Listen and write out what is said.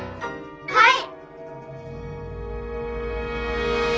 はい！